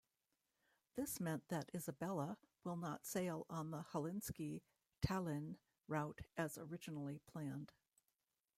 This meant that "Isabella" will not sail on the Helsinki-Tallinn route as originally planned.